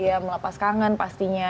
iya melepas kangen pastinya